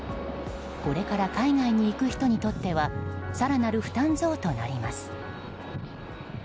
これから海外に行く人にとっては更なる負担増となります。